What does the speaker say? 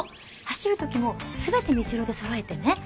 走る時も全て水色でそろえてね。